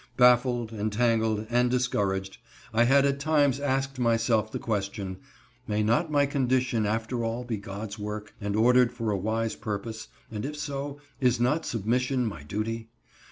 Baffled, entangled, and discouraged, I had at times asked myself the question, May not my condition after all be God's work, and ordered for a wise purpose, and if so, Is not submission my duty?